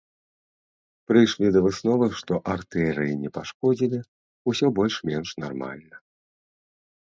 Прыйшлі да высновы, што артэрыі не пашкодзілі, усё больш-менш нармальна.